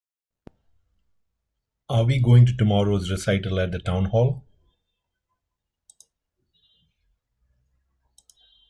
Are we going to tomorrow's recital at the town hall?